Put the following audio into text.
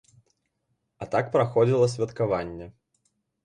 А так праходзіла святкаванне.